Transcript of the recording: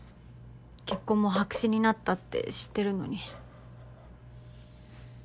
結婚も白紙になったって知ってるのに。